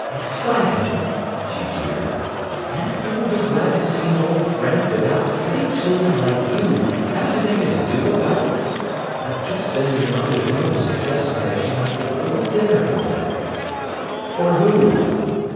"Excited!" she jeered. "Can't people be glad to see an old friend without silly children like you having to make a to do about it? I've just been in your mother's room suggesting that she might give a little dinner for them—" "For who?"